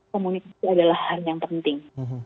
komunikasi adalah hal yang penting